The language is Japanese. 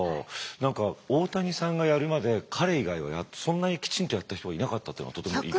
何か大谷さんがやるまで彼以外はそんなにきちんとやった人がいなかったというのがとても意外で。